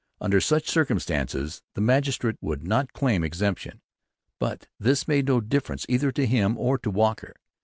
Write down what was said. Under such circumstances the magistrate could not claim exemption. But this made no difference either to him or to Walker.